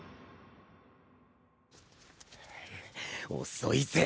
遅いぜ！